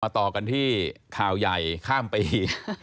ต่อกันที่ข่าวใหญ่ข้ามปี